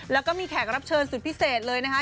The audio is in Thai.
แล้วก็มีแขกรับเชิญสุดพิเศษเลยนะคะ